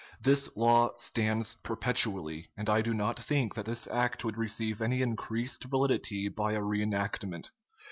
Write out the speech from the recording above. "This law stands perpetually, and I do not think that this act would receive any increased validity by a reenactment.